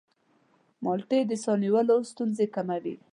مالټې د ساه نیولو ستونزې کموي.